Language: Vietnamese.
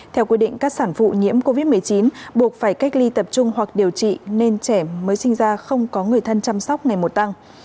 theo quy định các sản phụ nhiễm covid một mươi chín buộc phải cách ly tập trung hoặc điều trị nên trẻ mới sinh ra không có người thân chăm sóc ngày một tăng